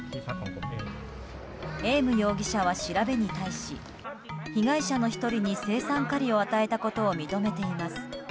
エーム容疑者は調べに対し被害者の１人に青酸カリを与えたことを認めています。